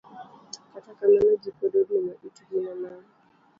Kata kamano ji pod odino itgi ne mano.